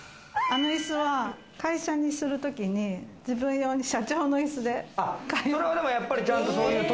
あの椅子は、会社にする時に自分用に社長の椅子で。